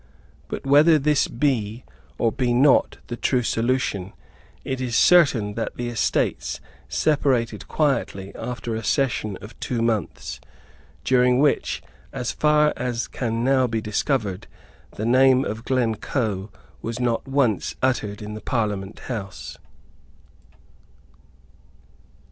But whether this be or be not the true solution, it is certain that the Estates separated quietly after a session of two months, during which, as far as can now be discovered, the name of Glencoe was not once uttered in the Parliament House.